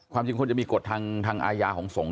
จริงควรจะมีกฎทางอาญาของสงฆ